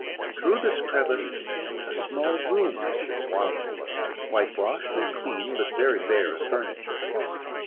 Through this crevice a small room was visible, whitewashed and clean, but very bare of furniture.